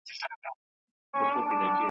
زولنې ځني بيريږي `